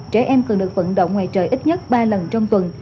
trẻ em cần được vận động ngoài trời ít nhất ba lần trong tuần